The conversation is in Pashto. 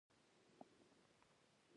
د کور خرڅ خلاص شوی دی.